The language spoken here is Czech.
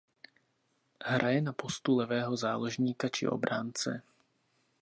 Hraje na postu levého záložníka či obránce.